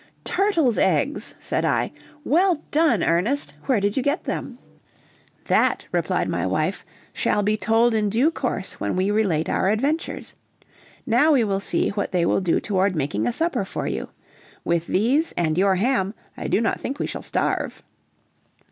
"Turtles' eggs!" said I. "Well done, Ernest! where did you get them?" "That," replied my wife, "shall be told in due course when we relate our adventures; now we will see what they will do toward making a supper for you; with these and your ham I do not think we shall starve."